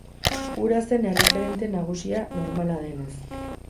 Hura zen erreferente nagusia, normala denez.